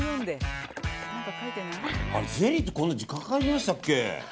ゼリーってこんな時間かかりましたっけ？